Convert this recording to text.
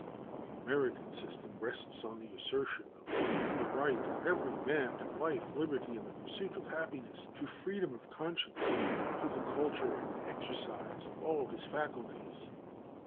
The American system rests on the assertion of the equal right of every man to life, liberty, and the pursuit of happiness, to freedom of conscience, to the culture and exercise of all his faculties.